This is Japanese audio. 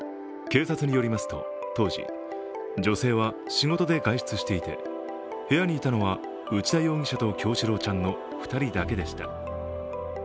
警察によりますと、当時女性は仕事で外出していて部屋にいたのは、内田容疑者と叶志郎ちゃんの２人だけでした。